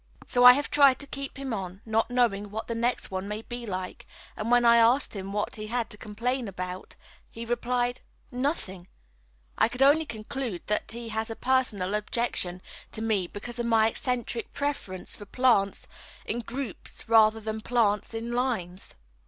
So I have tried to keep him on, not knowing what the next one may be like, and when I asked him what he had to complain of and he replied "Nothing," I could only conclude that he has a personal objection to me because of my eccentric preference for plants in groups rather than plants in lines.